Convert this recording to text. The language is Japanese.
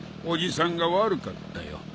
おじさんが悪かったよ。